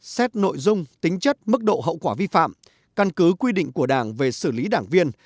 xét nội dung tính chất mức độ hậu quả vi phạm căn cứ quy định của đảng về xử lý đảng viên